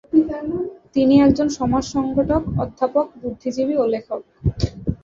তিনি একজন সমাজ সংগঠক, অধ্যাপক, বুদ্ধিজীবী ও লেখক।